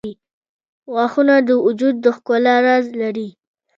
• غاښونه د وجود د ښکلا راز لري.